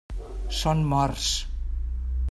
Són morts.